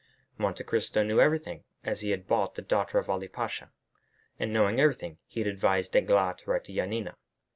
Monte Cristo knew everything, as he had bought the daughter of Ali Pasha; and, knowing everything, he had advised Danglars to write to Yanina.